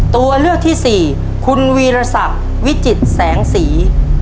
ตัวเลือกที่สี่คุณวีรศักดิ์วิจิตรแสงสี